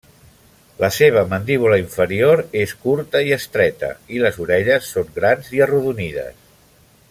La seva mandíbula inferior és curta i estreta, i les orelles són grans i arrodonides.